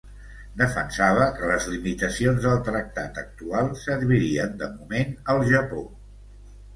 Defensava que les limitacions del tractat actual servirien de moment al Japó.